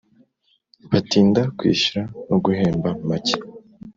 batinda kwishyura no guhemba make